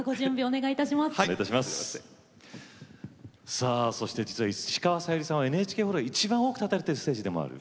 さあそして実は石川さゆりさんはＮＨＫホールは一番多く立たれてるステージでもある？